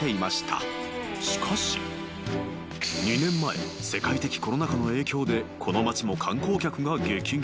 ［しかし］［２年前世界的コロナ禍の影響でこの町も観光客が激減］